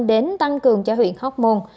đến tăng cường cho huyện hóc môn